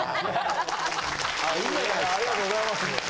・ありがとうございます。